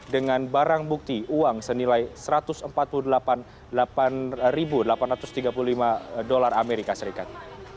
dengan barang bukti uang senilai satu ratus empat puluh delapan delapan ratus tiga puluh lima dolar amerika serikat